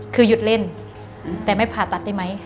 คือหยุดเล่นแต่ไม่ผ่าตัดได้ไหม